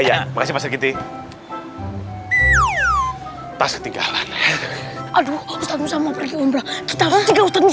ya makasih pak sergiti tas ketinggalan aduh ustadz musa mau pergi umrah kita harus tinggal ustadz